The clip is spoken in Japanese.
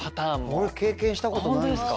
俺経験したことないですよ。